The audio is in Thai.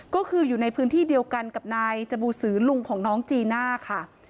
ก็คืออยู่ในพื้นที่เดียวกันกับนายจบูสือลุงของน้องจีน่าค่ะ